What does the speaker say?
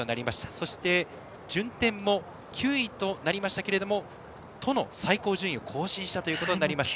そして順天も９位となりましたが都の最高順位を更新したということになりました。